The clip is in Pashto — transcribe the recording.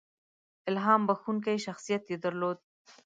• الهام بښونکی شخصیت یې درلود.